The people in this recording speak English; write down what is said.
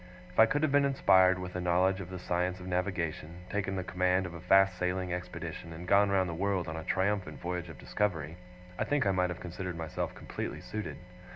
If I could have been inspired with a knowledge of the science of navigation, taken the command of a fast sailing expedition, and gone round the world on a triumphant voyage of discovery, I think I might have considered myself completely suited.